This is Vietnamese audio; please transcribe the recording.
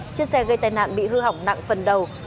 chiếc xe gây tai nạn bị hư hỏng nặng phần đầu